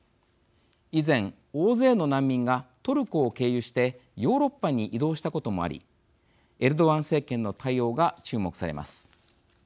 以前、大勢の難民がトルコを経由してヨーロッパに移動したこともありエルドアン政権の対応が注目されます。